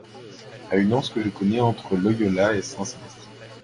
À une anse que je connais entre Loyola et Saint-Sébastien.